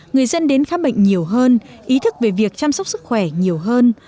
người dân đến khám bệnh nhiều hơn ý thức về việc chăm sóc sức khỏe nhiều hơn